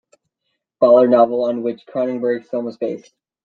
Ballard novel on which Cronenberg's film was based.